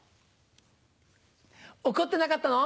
怒ってなかったの？